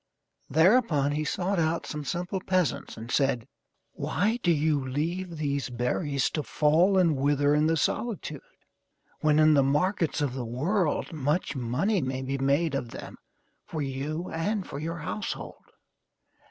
Thereupon he sought out some simple peasants and said: "Why do you leave these berries to fall and wither in the solitude, when in the markets of the world much money may be made of them for you and for your household?